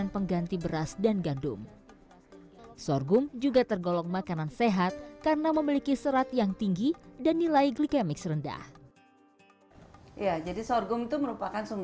perbedaannya sorghum membutuhkan air lebih banyak dibandingkan beras